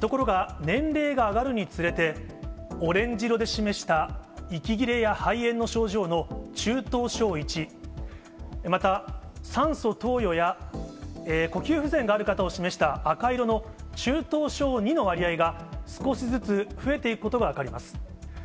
ところが、年齢が上がるにつれて、オレンジ色で示した、息切れや肺炎の症状の中等症１、また酸素投与や呼吸不全がある方を示した赤色の中等症２の割合が、少しずつ増えていくことが分かります。